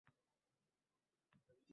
Ishchilardan biri menga pichirlab gapirdi